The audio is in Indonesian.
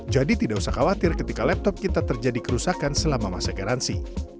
jadi tidak usah khawatir ketika laptop kita terjadi kerusakan selama masa garansi